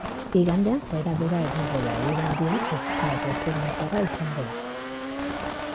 Igandean joera bera egongo da, eguraldia freskoa eta ezegonkorra izango da.